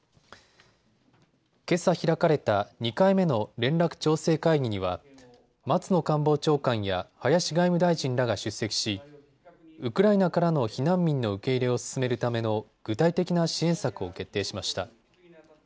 けさ開かれた２回目の連絡調整会議には松野官房長官や林外務大臣らが出席しウクライナからの避難民の受け入れを進めるための具体的な支援策を決定しました。